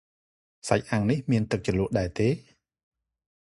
សាច់អាំងនេះមានទឹកជ្រលក់ដែរទេ?